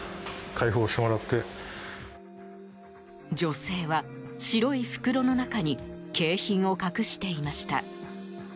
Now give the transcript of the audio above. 女性は白い袋の中に景品を隠していました。